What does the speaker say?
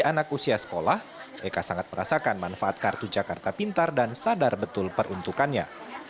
anak usia sekolah eka sangat merasakan manfaat kartu jakarta pintar dan sadar betul peruntukannya